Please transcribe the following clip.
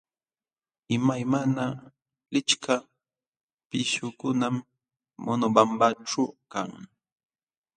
Imaymana lichka pishqukunam Monobambaćhu kan.